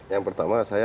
yang pertama saya